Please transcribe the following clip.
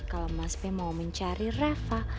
kalau mas be mau mencari reva